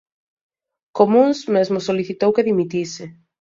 Comúns mesmo solicitou que dimitise.